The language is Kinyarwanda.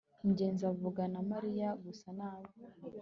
ngenzi avugana na mariya gusa nabi